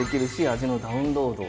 味のダウンロード？